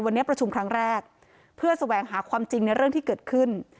วันนี้ประชุมครั้งแรกเพื่อแสวงหาความจริงในเรื่องที่เกิดขึ้น